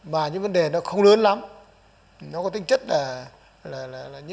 mà những vấn đề nó không lớn lắm nó có tính chất là những hoạt động kinh tế